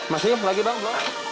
masih lagi bang